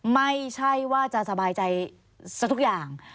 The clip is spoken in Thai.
ไม่ใช่ว่าจะสบายใจซะทุกอย่าง